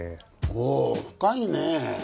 おお深いねえ。